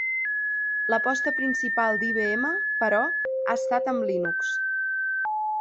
L'aposta principal d'IBM, però, ha estat amb Linux.